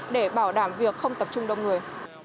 để bảo đảm việc không tập trung đông người